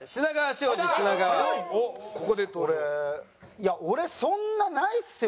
いや俺そんなないっすよ。